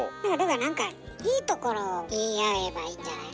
なんかいいところを言い合えばいいんじゃないの？